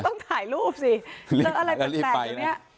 ไม่ต้องถ่ายรูปสิอะไรเป็นแต่วันนี้